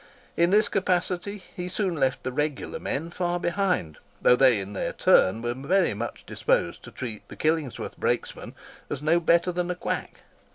In this capacity he soon left the "regular" men far behind, though they in their turn were very mach disposed to treat the Killingworth brakesman as no better than a quack.